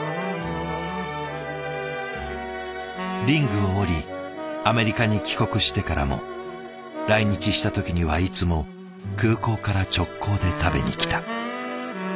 リングを降りアメリカに帰国してからも来日した時にはいつも空港から直行で食べに来た。